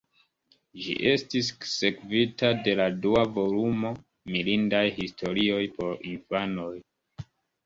Ĝi estis sekvita de la dua volumo, "Mirindaj historioj por infanoj".